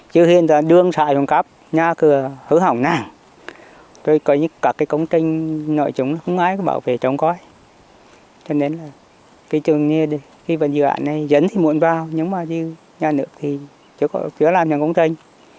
khi dự án này dân thì muộn vào nhưng mà nhà nước thì chưa làm những công trình